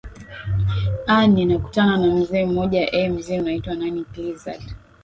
a ni nakutana na mzee mmoja eeh mzee unaitwa nani clizad